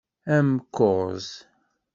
Amkuẓ.